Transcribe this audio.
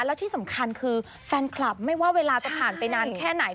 แล้วที่สำคัญคือแฟนคลับไม่ว่าเวลาจะผ่านไปนานแค่ไหน